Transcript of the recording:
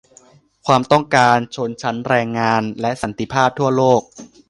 ความต้องการของชนชั้นแรงงาน และสันติภาพทั่วโลก